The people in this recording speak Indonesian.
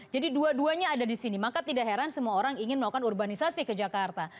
dua duanya ada di sini maka tidak heran semua orang ingin melakukan urbanisasi ke jakarta